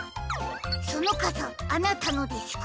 そのかさあなたのですか？